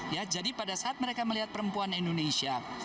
ya jadi pada saat mereka melihat perempuan indonesia